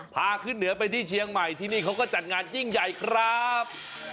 พาขึ้นเหนือไปที่เชียงใหม่ที่นี่เขาก็จัดงานยิ่งใหญ่ครับ